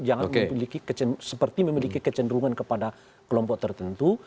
jangan memiliki kecenderungan seperti memiliki kecenderungan kepada kelompok tertentu